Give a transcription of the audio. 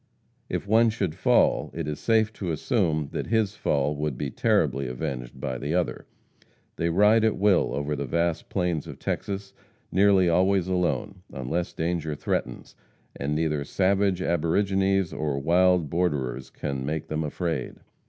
If one should fall, it is safe to assume that his fall would be terribly avenged by the other. They ride at will over the vast plains of Texas, nearly always alone, unless danger threatens, and neither savage aborigines or wild borderers can make them afraid.